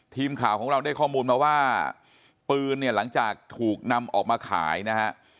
ทีมข่าวของเราได้ข้อมูลมาว่าปืนเนี่ยหลังจากถูกนำออกมาขายนะฮะ